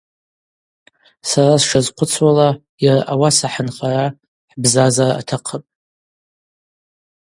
Сара сшазхъвыцуала йара ауаса хӏынхара, хӏбзазара атахъыпӏ.